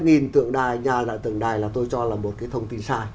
nghìn tượng đài nhà tượng đài là tôi cho là một cái thông tin sai